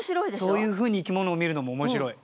そういうふうに生き物を見るのも面白い。